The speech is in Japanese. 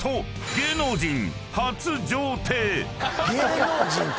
「芸能人初」！